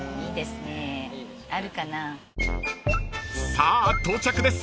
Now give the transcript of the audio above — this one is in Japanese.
［さあ到着です］